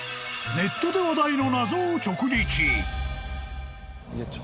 ［ネットで話題の謎を直撃！］